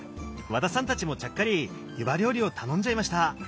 和田さんたちもちゃっかりゆば料理を頼んじゃいました。